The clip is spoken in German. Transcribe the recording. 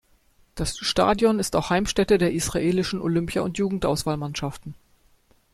Das Stadion ist auch Heimstätte der israelischen Olympia- und Jugendauswahlmannschaften.